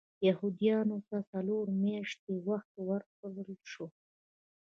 یهودیانو ته څلور میاشتې وخت ورکړل شو.